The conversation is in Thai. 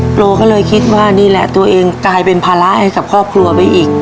โปรก็เลยคิดว่านี่แหละตัวเองกลายเป็นภาระให้กับครอบครัวไปอีก